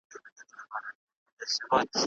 مثبت فکر ژوند نه زیانمنوي.